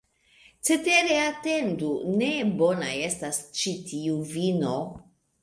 Cetere atendu, ne bona estas ĉi tiu vino!